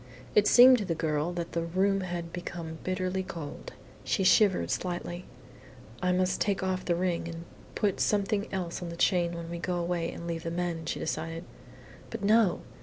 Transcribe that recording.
It seemed to the girl that the room had become bitterly cold. She shivered slightly. "I must take off the ring and put something else on the chain when we go away and leave the men," she decided. But no!